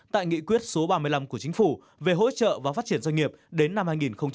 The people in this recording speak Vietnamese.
tại nghị quyết số ba mươi năm của chính phủ về hỗ trợ và phát triển doanh nghiệp đến năm hai nghìn hai mươi